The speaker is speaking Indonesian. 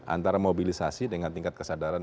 antara mobilisasi dengan tingkat kesadaran